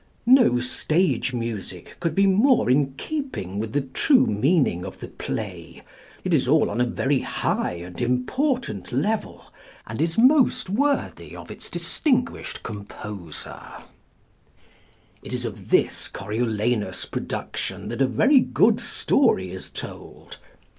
No stage music could be more in keeping with the true meaning of the play; it is all on a very high and important level, and is most worthy of its distinguished composer. It is of this Coriolanus production that a very good story is told.